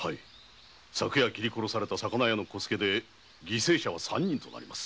昨夜斬り殺された魚屋の小助で犠牲者は三人となります。